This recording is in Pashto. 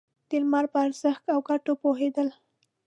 د لمر په ارزښت او گټو پوهېدل.